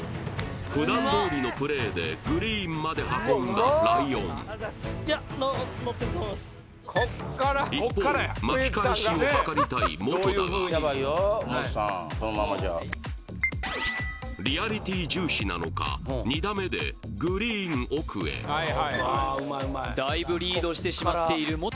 普段どおりのプレーでグリーンまで運んだライオン一方巻き返しを図りたいモトだがリアリティー重視なのか２打目でグリーン奥へだいぶリードしてしまっているモト